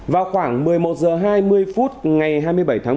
vào khoảng một mươi một h hai mươi phút ngày hai mươi bảy tháng một